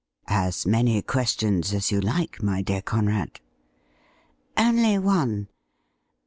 ' As many questions as you like, my dear Conrad.' ' Only one.